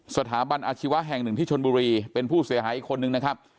สถาบันอาชีวะแห่งหนึ่งที่ชนบุรีเป็นผู้เสียหายอีกคนนึงนะครับ